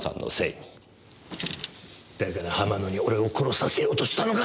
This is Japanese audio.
だから浜野に俺を殺させようとしたのか！